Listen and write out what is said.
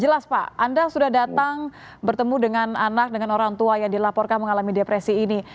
jelas pak anda sudah datang bertemu dengan anak dengan orang tua yang dilaporkan mengalami depresi ini